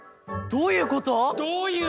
・どういうこと？